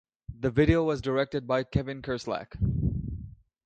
The video was directed by Kevin Kerslake.